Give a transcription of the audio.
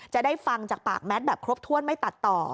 จะได้ฟังจากปากแมทแบบครบถ้วนไม่ตัดต่อ